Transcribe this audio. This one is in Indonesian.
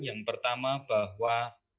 yang pertama bahwa